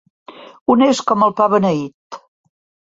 Honest com el pa beneit.